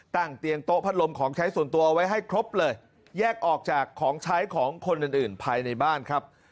เตียงโต๊ะพัดลมของใช้ส่วนตัวเอาไว้ให้ครบเลยแยกออกจากของใช้ของคนอื่นอื่นภายในบ้านครับ